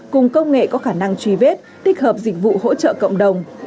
cùng công nghệ có khả năng truy vết tích hợp dịch vụ hỗ trợ cộng đồng